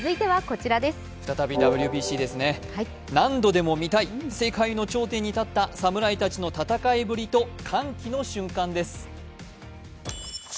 再びＷＢＣですね、何度でも見たい世界の頂点に立った侍たちの戦いぶりと歓喜の瞬間です。